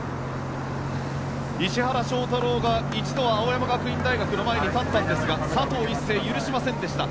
石原翔太郎が一度は青山学院大学の前に立ったんですが佐藤一世、許しませんでした。